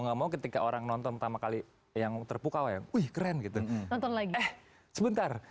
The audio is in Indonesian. nggak mau ketika orang nonton pertama kali yang terpukau ya wih keren gitu nonton lagi eh sebentar